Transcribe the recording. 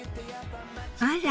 あら。